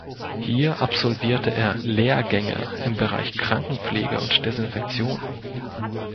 Hier absolvierte er Lehrgänge im Bereich Krankenpflege und Desinfektion.